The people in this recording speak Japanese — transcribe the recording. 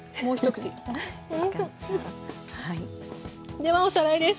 ではおさらいです。